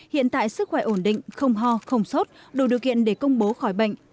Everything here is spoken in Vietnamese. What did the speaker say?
hiện tại sức khỏe ổn định không ho không sốt đủ điều kiện để công bố khỏi bệnh